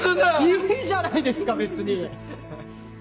いいじゃないですか別に！